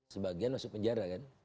sebagian masuk penjara kan